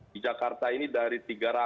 di jakarta ini dari tiga ratus enam puluh lima